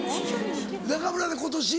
中村が今年？